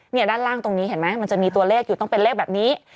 ด้านล่างตรงนี้เห็นไหมมันจะมีตัวเลขอยู่ต้องเป็นเลขแบบนี้